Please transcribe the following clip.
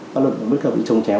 có luật bất cập bị trồng chéo